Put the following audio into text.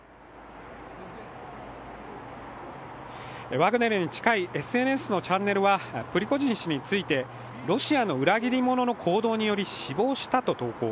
ワグネルに近いＳＮＳのチャンネルはプリゴジン氏の行動についてロシアの裏切り者の行動により死亡したと投稿。